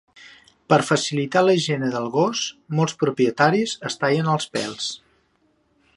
Per a facilitar la higiene del gos, molts propietaris els tallen els pèls.